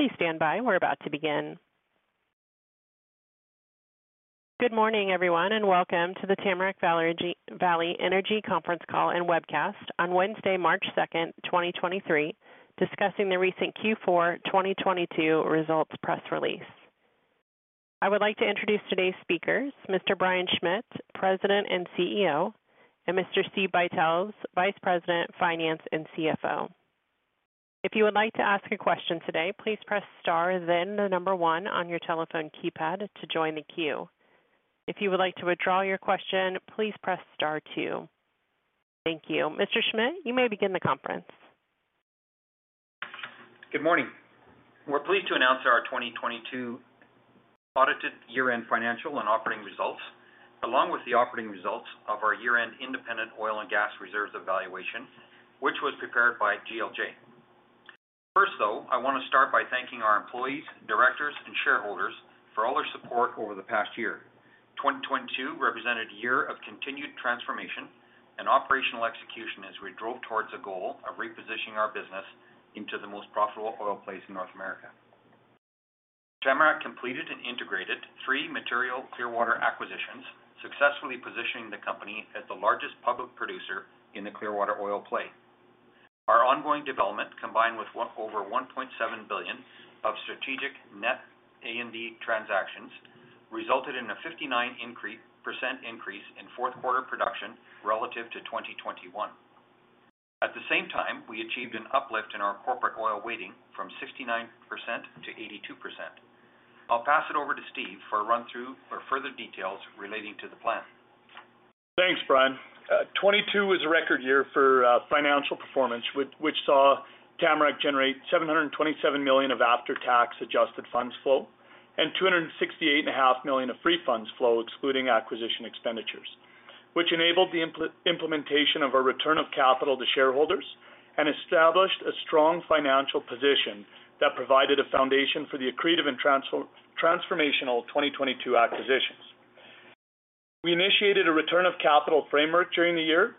Please stand by. We're about to begin. Good morning everyone, and welcome to the Tamarack Valley Energy conference call and webcast on Wednesday, March 2, 2023, discussing the recent Q4 2022 results press release. I would like to introduce today's speakers, Mr. Brian Schmidt, President and CEO, and Mr. Steve Buytels, Vice President, Finance and CFO. If you would like to ask a question today, please press star then the number one on your telephone keypad to join the queue. If you would like to withdraw your question, please press star two. Thank you. Mr. Schmidt, you may begin the conference. Good morning. We're pleased to announce our 2022 audited year-end financial and operating results, along with the operating results of our year-end independent oil and gas reserves evaluation, which was prepared by GLJ. First, though, I want to start by thanking our employees, directors, and shareholders for all their support over the past year. 2022 represented a year of continued transformation and operational execution as we drove towards a goal of repositioning our business into the most profitable oil place in North America. Tamarack completed and integrated three material Clearwater acquisitions, successfully positioning the company as the largest public producer in the Clearwater oil play. Our ongoing development, combined with over 1.7 billion of strategic net A&D transactions, resulted in a 59% increase in fourth quarter production relative to 2021. At the same time, we achieved an uplift in our corporate oil weighting from 69% to 82%. I'll pass it over to Steve for a run-through for further details relating to the plan. Thanks, Brian. 2022 was a record year for financial performance, which saw Tamarack generate 727 million of after-tax adjusted funds flow and 268 and a half million of free funds flow excluding acquisition expenditures, which enabled the implementation of a return of capital to shareholders and established a strong financial position that provided a foundation for the accretive and transformational 2022 acquisitions. We initiated a return of capital framework during the year.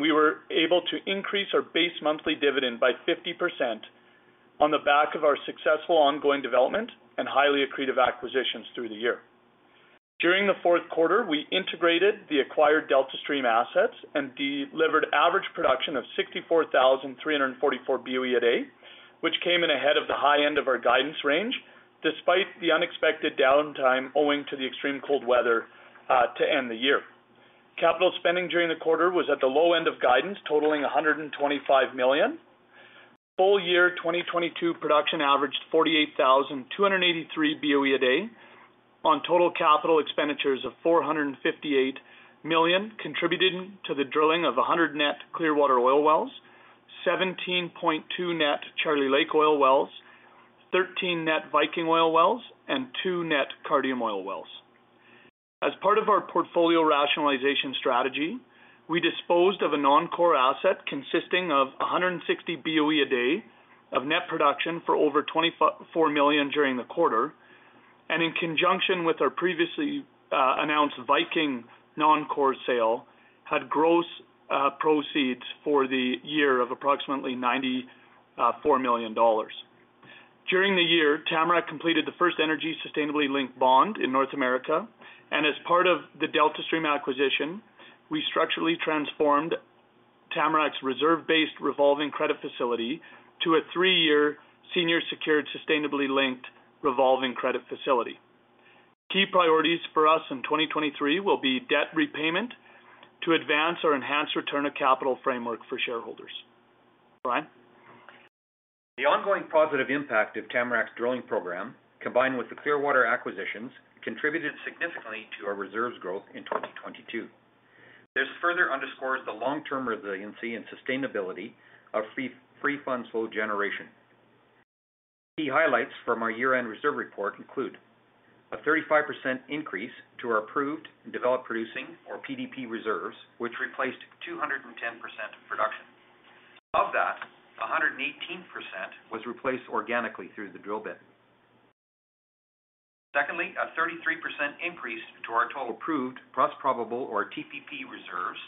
We were able to increase our base monthly dividend by 50% on the back of our successful ongoing development and highly accretive acquisitions through the year. During the fourth quarter, we integrated the acquired Deltastream assets and delivered average production of 64,344 BOE a day, which came in ahead of the high end of our guidance range, despite the unexpected downtime owing to the extreme cold weather to end the year. Capital spending during the quarter was at the low end of guidance, totaling 125 million. Full year 2022 production averaged 48,283 BOE a day on total capital expenditures of 458 million, contributed to the drilling of 100 net Clearwater oil wells, 17.2 net Charlie Lake oil wells, 13 net Viking oil wells, and two net Cardium oil wells. As part of our portfolio rationalization strategy, we disposed of a non-core asset consisting of 160 BOE a day of net production for over 24 million during the quarter. In conjunction with our previously announced Viking non-core sale, had gross proceeds for the year of approximately 94 million dollars. During the year, Tamarack completed the first energy sustainability-linked bond in North America. As part of the Deltastream acquisition, we structurally transformed Tamarack's reserve-based revolving credit facility to a three-year senior secured, sustainability-linked revolving credit facility. Key priorities for us in 2023 will be debt repayment to advance or enhance return of capital framework for shareholders. Brian? The ongoing positive impact of Tamarack's drilling program, combined with the Clearwater acquisitions, contributed significantly to our reserves growth in 2022. This further underscores the long-term resiliency and sustainability of free fund flow generation. Key highlights from our year-end reserve report include a 35% increase to our approved developed producing or PDP reserves, which replaced 210% of production. Of that, 118% was replaced organically through the drill bit. A 33% increase to our total approved plus probable or TPP reserves,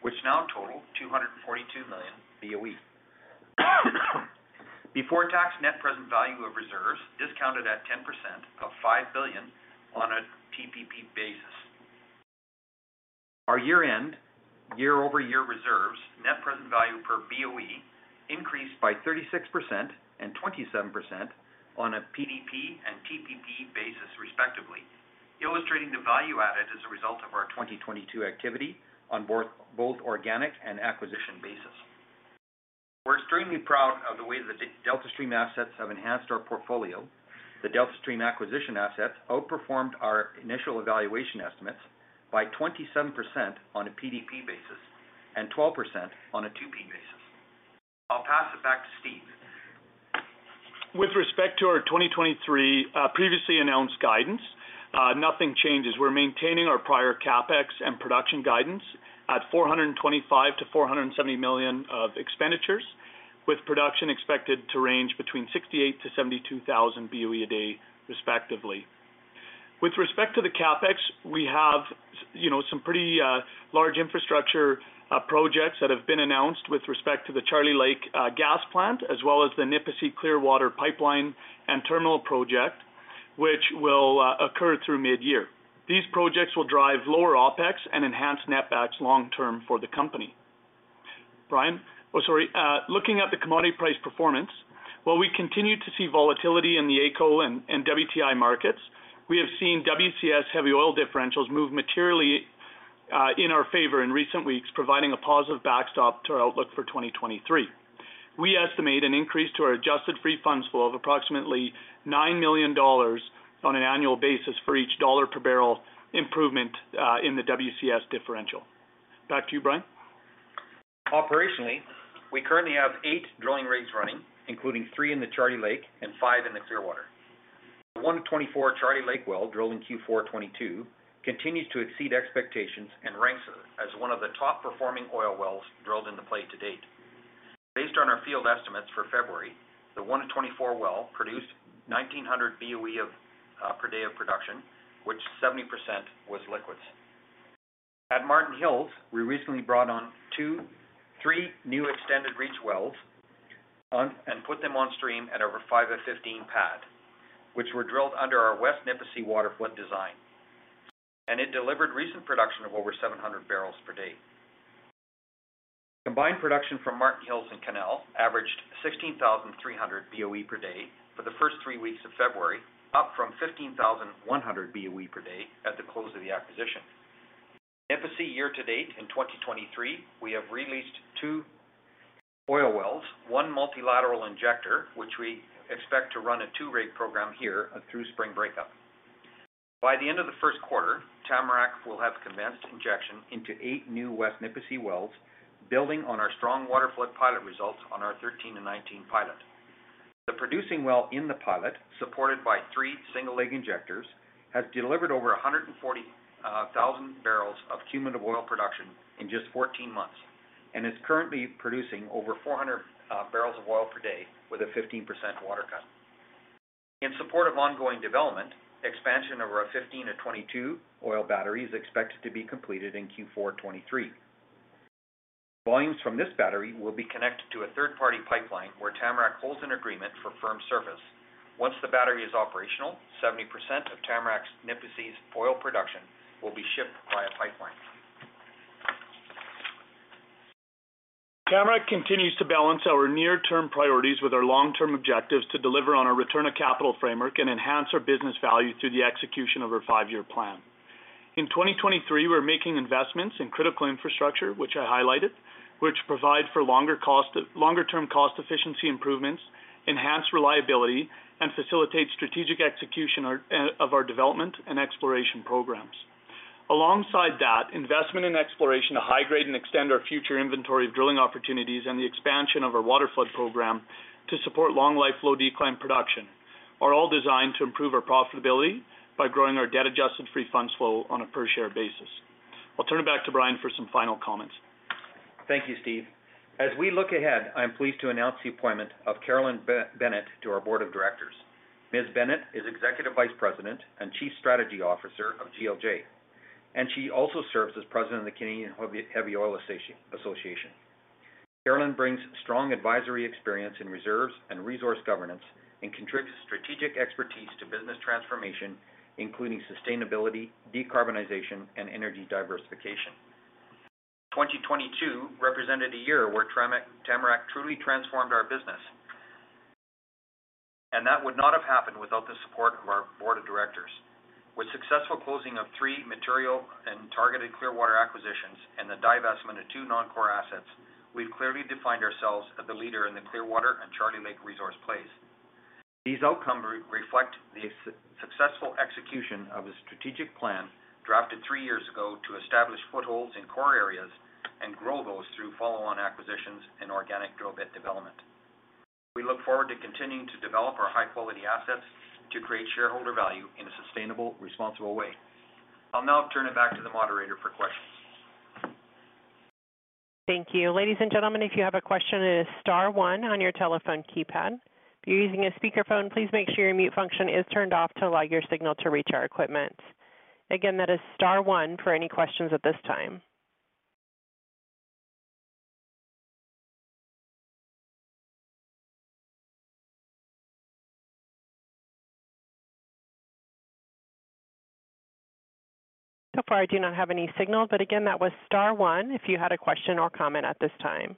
which now total 242 million BOE. Before tax net present value of reserves discounted at 10% of 5 billion on a TPP basis. Our year-end year-over-year reserves net present value per BOE increased by 36% and 27% on a PDP and TPP basis, respectively, illustrating the value added as a result of our 2022 activity on both organic and acquisition basis. We're extremely proud of the way the Deltastream assets have enhanced our portfolio. The Deltastream acquisition assets outperformed our initial evaluation estimates by 27% on a PDP basis and 12% on a TPP basis. I'll pass it back to Steve Buytels. With respect to our 2023 previously announced guidance, nothing changes. We're maintaining our prior CapEx and production guidance at 425 million-470 million of expenditures, with production expected to range between 68,000-72,000 BOE a day, respectively. With respect to the CapEx, we have, you know, some pretty large infrastructure projects that have been announced with respect to the Charlie Lake gas plant, as well as the Nipisi Clearwater pipeline and terminal project, which will occur through midyear. These projects will drive lower OpEx and enhance netbacks long-term for the company. Brian? Oh, sorry. Looking at the commodity price performance. While we continue to see volatility in the WCS and WTI markets, we have seen WCS heavy oil differentials move materially in our favor in recent weeks, providing a positive backstop to our outlook for 2023. We estimate an increase to our adjusted free funds flow of approximately $9 million on an annual basis for each dollar per barrel improvement in the WCS differential. Back to you, Brian Schmidt. Operationally, we currently have eight drilling rigs running, including three in the Charlie Lake and five in the Clearwater. 1-24 Charlie Lake well, drilled in Q4 2022, continues to exceed expectations and ranks as one of the top-performing oil wells drilled in the play to date. Based on our field estimates for February, the 1-24 well produced 1,900 BOE per day of production, which 70% was liquids. At Marten Hills, we recently brought on three new extended reach wells on, and put them on stream at over 15-15 pad, which were drilled under our West Nipisi waterflood design, and it delivered recent production of over 700 bpd. Combined production from Marten Hills and Canal averaged 16,300 BOE per day for the first three weeks of February, up from 15,100 BOE per day at the close of the acquisition. Nipisi year to date in 2023, we have released two oil wells, one multi-lateral injector, which we expect to run a 2-rig program here through spring breakup. By the end of the first quarter, Tamarack will have commenced injection into eight new West Nipisi wells, building on our strong waterflood pilot results on our 13-19 pilot. The producing well in the pilot, supported by three single-leg injectors, has delivered over 140,000 barrels of cumulative oil production in just 14 months and is currently producing over 400 bpd with a 15% water cut. In support of ongoing development, expansion of our 15-22 oil battery is expected to be completed in Q4 2023. Volumes from this battery will be connected to a third-party pipeline where Tamarack holds an agreement for firm service. Once the battery is operational, 70% of Tamarack's Nipisi's oil production will be shipped via pipeline. Tamarack continues to balance our near-term priorities with our long-term objectives to deliver on our return of capital framework and enhance our business value through the execution of our five-year plan. In 2023, we're making investments in critical infrastructure, which I highlighted, which provide for longer-term cost efficiency improvements, enhance reliability, and facilitate strategic execution of our development and exploration programs. Alongside that, investment in exploration to high grade and extend our future inventory of drilling opportunities, and the expansion of our waterflood program to support long life, low decline production are all designed to improve our profitability by growing our debt-adjusted free funds flow on a per share basis. I'll turn it back to Brian for some final comments. Thank you, Steve. As we look ahead, I'm pleased to announce the appointment of Caralyn Bennett to our board of directors. Ms. Bennett is Executive Vice President and Chief Strategy Officer of GLJ, and she also serves as President of the Canadian Heavy Oil Association. Carolyn brings strong advisory experience in reserves and resource governance and contributes strategic expertise to business transformation, including sustainability, decarbonization, and energy diversification. 2022 represented a year where Tamarack truly transformed our business. That would not have happened without the support of our board of directors. With successful closing of three material and targeted Clearwater acquisitions and the divestment of two non-core assets, we've clearly defined ourselves as the leader in the Clearwater and Charlie Lake resource plays. These outcomes re-reflect the successful execution of a strategic plan drafted three years ago to establish footholds in core areas and grow those through follow-on acquisitions and organic drill bit development. We look forward to continuing to develop our high-quality assets to create shareholder value in a sustainable, responsible way. I'll now turn it back to the moderator for questions. Thank you. Ladies and gentlemen, if you have a question, it is star one on your telephone keypad. If you're using a speakerphone, please make sure your mute function is turned off to allow your signal to reach our equipment. Again, that is star one for any questions at this time. So far, I do not have any signal, but again, that was star one if you had a question or comment at this time.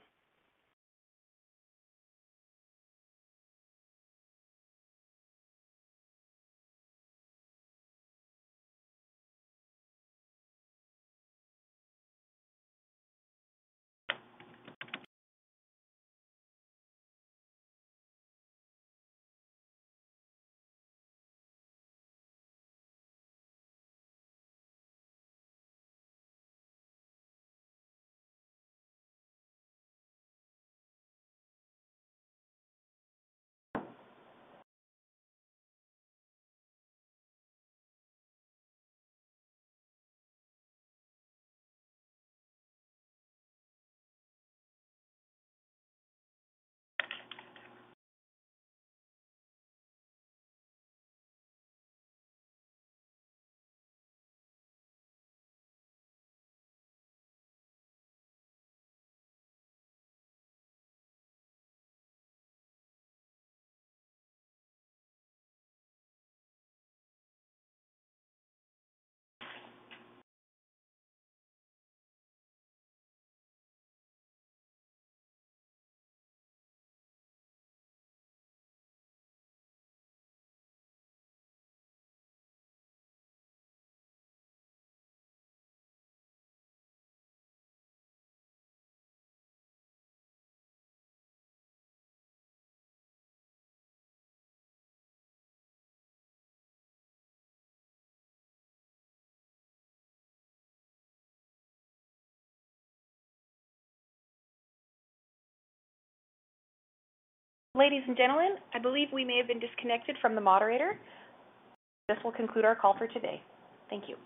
Ladies and gentlemen, I believe we may have been disconnected from the moderator. This will conclude our call for today. Thank you.